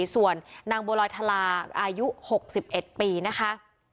ส่วนนางบัวลอยทลาอายุ๖๑ปีนะคะ